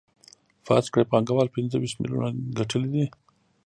فرض کړئ پانګوال پنځه ویشت میلیونه ګټلي دي